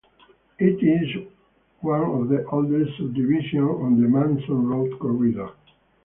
It is one of the oldest subdivisions on the Mason Road corridor.